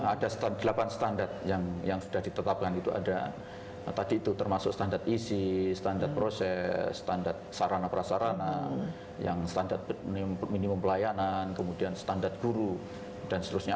ada delapan standar yang sudah ditetapkan itu ada tadi itu termasuk standar isi standar proses standar sarana prasarana yang standar minimum pelayanan kemudian standar guru dan seterusnya